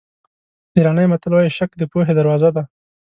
ایراني متل وایي شک د پوهې دروازه ده.